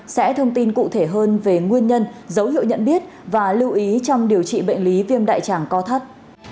sẽ thông tin cụ thể hơn về nguyên nhân dấu hiệu nhận biết và lưu ý trong điều trị bệnh lý viêm đại tràng co thắt